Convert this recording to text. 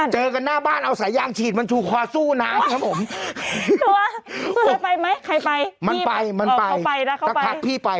จำเคราะห์ของเขาเลย